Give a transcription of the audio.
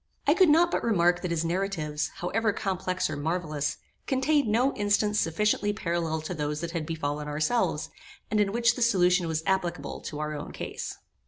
I could not but remark that his narratives, however complex or marvellous, contained no instance sufficiently parallel to those that had befallen ourselves, and in which the solution was applicable to our own case.